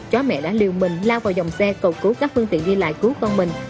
chó mẹ đã liều mình lao vào dòng xe cầu cứu các phương tiện đi lại cứu con mình